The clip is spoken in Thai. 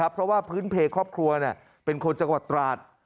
เพราะว่าพื้นเพครอบครัวเป็นคนจังหวัดตราด